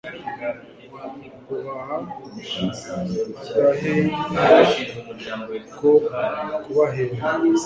ubaha agahenga ko kubahenda